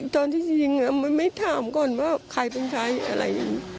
ตอนที่จริงไม่ถามก่อนว่าใครเป็นชายอะไร